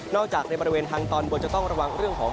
จากในบริเวณทางตอนบนจะต้องระวังเรื่องของ